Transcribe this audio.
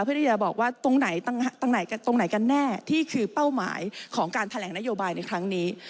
เพื่อที่จะบอกว่าตรงไหนตรงไหนกันแน่ที่คือเป้าหมายของการแถลงนโยบายในครั้งนี้